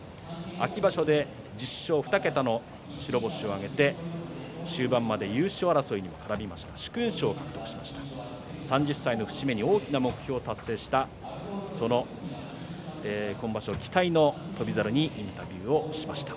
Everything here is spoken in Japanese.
秋場所で１０勝２桁を挙げて終盤まで優勝争いで並びました殊勲賞を獲得しました３０歳の節目に大きな目標を達成した今場所、期待の翔猿にインタビューをしました。